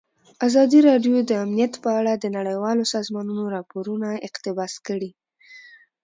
ازادي راډیو د امنیت په اړه د نړیوالو سازمانونو راپورونه اقتباس کړي.